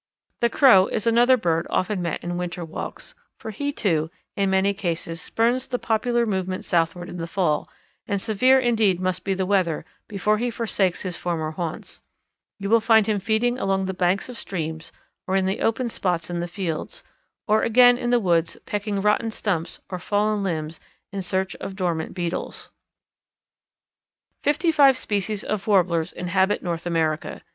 The Crow is another bird often met in winter walks, for he, too, in many cases spurns the popular movement southward in the fall, and severe indeed must be the weather before he forsakes his former haunts. You will find him feeding along the banks of streams or in the open spots in the fields, or again in the woods pecking rotten stumps or fallen limbs in search of dormant beetles. [Illustration: Grouse "Budding" in an Apple Tree] Fifty five species of Warblers inhabit North America.